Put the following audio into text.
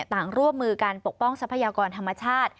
ร่วมมือการปกป้องทรัพยากรธรรมชาติ